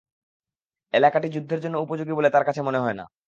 এলাকাটি যুদ্ধের জন্য উপযোগী বলে তার কাছে মনে হয় না।